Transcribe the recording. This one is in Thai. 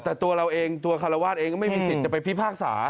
แต่ตัวเราเองตัวคารวาสเองก็ไม่มีสิทธิ์จะไปพิพากษา